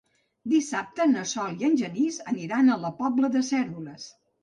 Dissabte na Sol i en Genís aniran a la Pobla de Cérvoles.